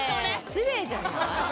失礼じゃない？